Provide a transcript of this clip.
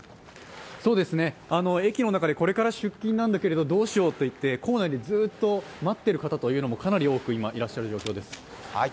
駅の中で、これから出勤なんだけれども、どうしようといって構内にずっと待っている方もかなり多く今、いらっしゃる状況です。